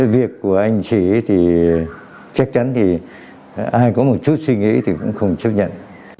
việc của anh sĩ thì chắc chắn thì ai có một chút suy nghĩ thì cũng không chấp nhận